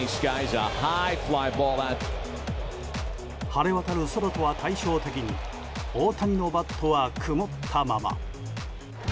晴れ渡る空とは対照的に大谷のバットは曇ったまま。